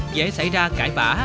dễ xảy ra cãi vã